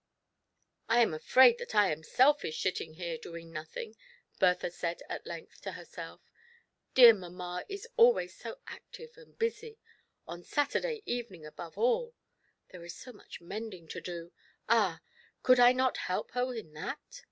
"I am afraid that I am selfish, sitting here doing nothing," Bertha said at length to herself. Dear mamma is always so active and busy, on Saturday evening above aU. There is so much mending to do — ah, could I not help her in that